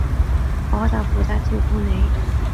我就負責照顧你